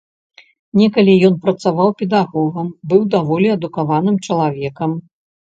Некалі ён працаваў педагогам, быў даволі адукаваным чалавекам.